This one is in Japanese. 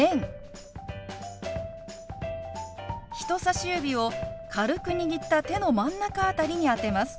人さし指を軽く握った手の真ん中辺りに当てます。